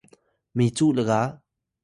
micu lga